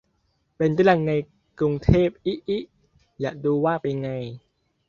เป็นเรื่องใน กรุงเทพ อิอิ อยากดูว่าเป็นไง